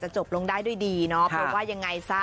จบลงได้ด้วยดีเนาะเพราะว่ายังไงซะ